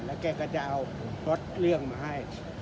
แล้วแกก็จะเอารถเรื่องมาให้